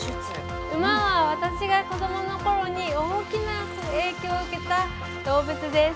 馬は私が子どものころに大きな影響を受けた動物です。